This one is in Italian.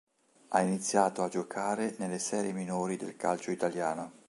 Ha iniziato a giocare nelle serie minori del calcio italiano.